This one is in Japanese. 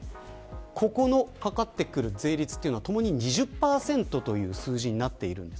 ここにかかってくる税率はともに２０％という数字になっているんです。